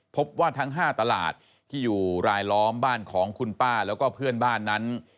พบว่าทั้ง๕ตลาดที่อยู่รายล้อมบ้านของคุณป้าแล้วก็เพื่อนบ้านนั้น